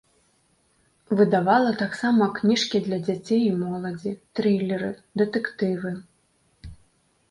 Выдавала таксама кніжкі для дзяцей і моладзі, трылеры, дэтэктывы.